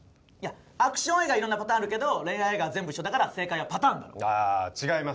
アクション映画色んなパターンあるけど恋愛映画は全部一緒だから正解はパターンだろ違います